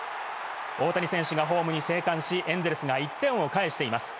大谷選手がホームに生還し、エンゼルスが１点を返しています。